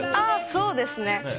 そうですね。